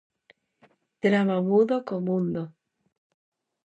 Drama mudo co mundo.